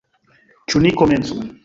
Ĉu ni komencu?